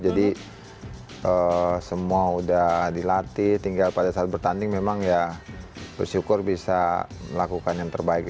jadi semua sudah dilatih tinggal pada saat bertanding memang ya bersyukur bisa melakukan yang terbaik